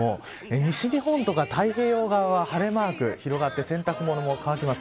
西日本とか太平洋側は晴れマークが広がって洗濯物も乾きます。